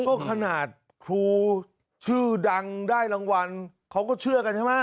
ก็ขนาดครูชื่อดังได้รางวัลเขาก็เชื่อกันใช่ไหม